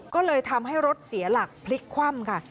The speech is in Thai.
ก็เลยทำให้รถเสียหลักพลิกคว่ำค่ะ